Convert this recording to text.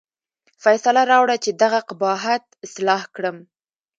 فیصله راوړه چې دغه قباحت اصلاح کړم.